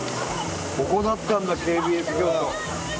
ここだったんだＫＢＳ京都。